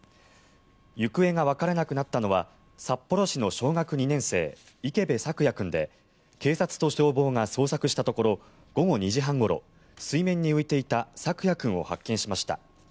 行方がわからなくなったのは札幌市の小学２年生池辺朔矢君で警察と消防が捜索したところ午後２時半ごろ水面に浮いていた朔矢君を発見しました。